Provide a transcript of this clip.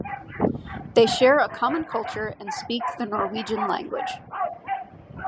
They share a common culture and speak the Norwegian language.